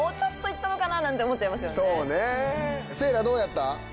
せいらどうやった？